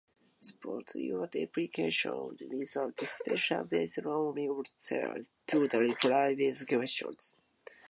Support your opinion with specific reasons based on your responses to the previous questions.